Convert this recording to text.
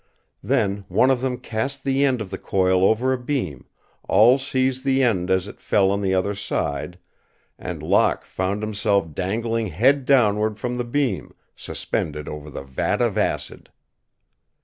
Then one of them cast the end of the coil over a beam, all seized the end as it fell on the other side, and Locke found himself dangling head downward from the beam, suspended over the vat of acid.